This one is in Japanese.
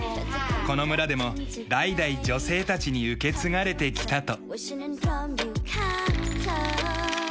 この村でも代々女性たちに受け継がれてきたと。